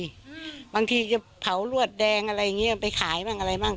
บางทีจะเผารวดแดงอะไรอย่างเงี้ยไปขายบ้างอะไรบ้าง